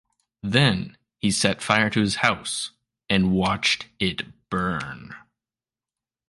Then he set fire to his house and watched it burn.